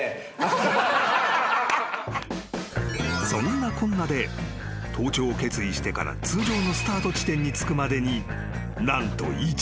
［そんなこんなで登頂を決意してから通常のスタート地点に着くまでに何と１年］